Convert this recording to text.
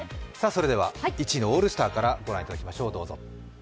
１位のオールスターからご覧いただきましょう。